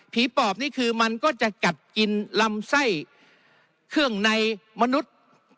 ปอบนี่คือมันก็จะกัดกินลำไส้เครื่องในมนุษย์